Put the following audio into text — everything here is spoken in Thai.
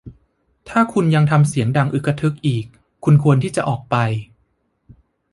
ถ้าคุณยังทำเสียงดังอึกทึกอีก คุณควรที่จะออกไป